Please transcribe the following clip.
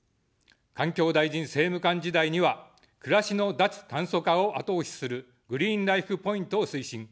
環境大臣政務官時代には、暮らしの脱炭素化を後押しするグリーンライフ・ポイントを推進。